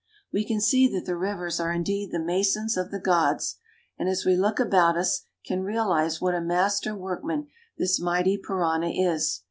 We can see that the rivers are indeed the masons of the gods, and as we look about us can realize what a master workman this mighty Parana is.